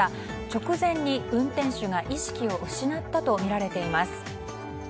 直前に運転手が意識を失ったとみられています。